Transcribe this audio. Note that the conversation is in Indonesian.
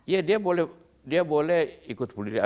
ya dia boleh ikut bully